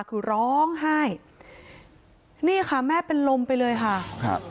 คือร้องไห้นี่ค่ะแม่เป็นลมไปเลยค่ะครับ